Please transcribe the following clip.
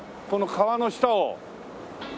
この川の下を。